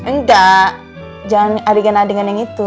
enggak jangan adegan adegan yang itu